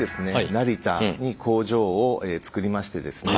成田に工場を作りましてですね